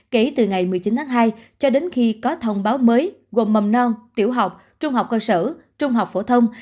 kể từ ngày một mươi chín tháng hai cho đến khi có thông báo mới gồm mầm non tiểu học trung học cơ sở trung học phổ thông